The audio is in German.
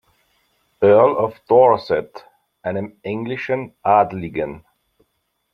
Earl of Dorset", einem englischen Adligen.